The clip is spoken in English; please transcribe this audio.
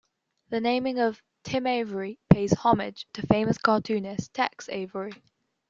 The naming of "Tim Avery" pays homage to famous cartoonist Tex Avery.